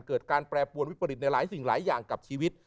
เกิดการแปรปวนวิปริตในหลายสิ่งหลายอย่างกับชีวิต